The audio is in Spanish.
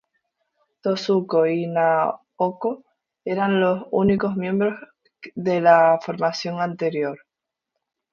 Yosu-ko y Naoki eran los únicos miembros de la formación anterior.